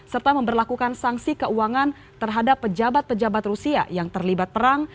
serta memperlakukan sanksi keuangan terhadap pejabat pejabat rusia yang terlibat perang